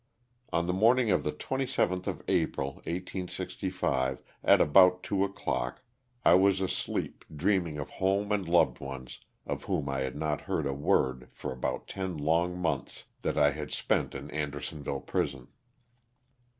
On the morning of the 27th of April, 1865, at about two o'clock, I was asleep dreaming of home and loved ones, of whom I had not heard a word for about ten long months that I had spent in Andersonville prison.